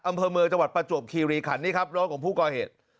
อำเภอเมืองจังหวัดประจวบคีรีขันนี่ครับรถของผู้ก่อเหตุ